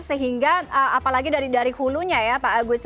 sehingga apalagi dari hulunya ya pak agus